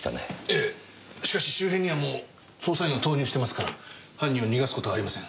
ええしかし周辺にはもう捜査員を投入してますから犯人を逃がすことはありません。